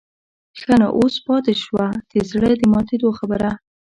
ښه نو اوس پاتې شوه د زړه د ماتېدو خبره.